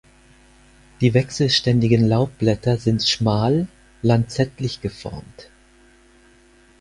Die wechselständigen Laubblätter sind schmal lanzettlich-geformt.